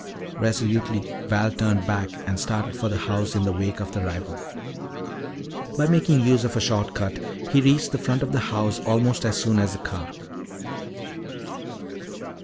Resolutely Val turned back and started for the house in the wake of the rival. By making use of a short cut, he reached the front of the house almost as soon as the car.